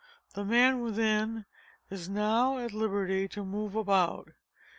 The man within is now at liberty to move about.